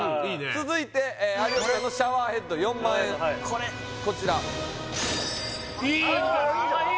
続いて有吉さんのシャワーヘッド４万円これこちらいいんじゃない？